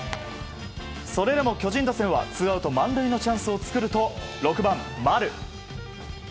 それでも、巨人打線はツーアウト満塁のチャンスを作ると６番、丸。